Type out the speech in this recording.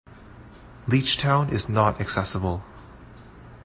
Leechtown is not accessible.